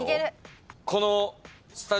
この。